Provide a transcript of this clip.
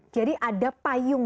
jadi ada payung